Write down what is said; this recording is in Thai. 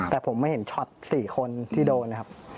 แต่ผมไม่เห็นช็อต๔คนที่โดนนะครับ